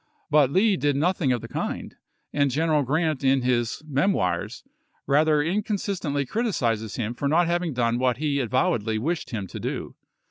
But Lee did nothing of the kind, and General Grant in his " Memoirs " rather inconsistently criticizes him for not having done what he avowedly wished him to do.